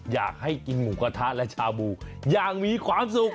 อยากให้กินหมูกระทะและชาบูอย่างมีความสุข